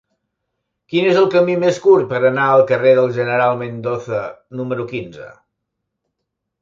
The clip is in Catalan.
Quin és el camí més curt per anar al carrer del General Mendoza número quinze?